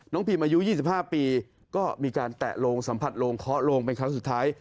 พิมอายุ๒๕ปีก็มีการแตะโลงสัมผัสโรงเคาะโลงเป็นครั้งสุดท้าย